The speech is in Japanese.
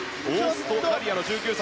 オーストラリアの１９歳。